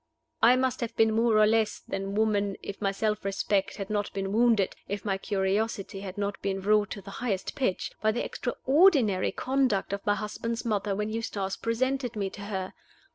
I must have been more or less than woman if my self respect had not been wounded, if my curiosity had not been wrought to the highest pitch, by the extraordinary conduct of my husband's mother when Eustace presented me to her.